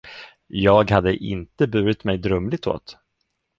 Jag hade inte burit mig drumligt åt.